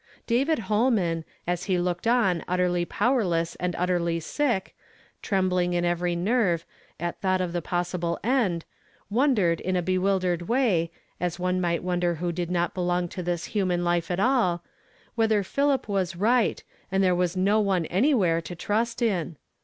David Holman, as he looked on utterly power less and utterly sick, trembling in every nerve at though/ >f the possible end, wondered in a be wildered way, as one might wonder who did not belong to this human life at all, whether Philip was right, and there was no one anywhere to trust 812 YESTERDAY FRAMED IN TO DAY. Iftf. in.